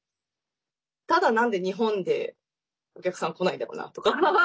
ただ、なんで日本でお客さん来ないんだろうな？とか。